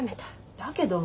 だけど。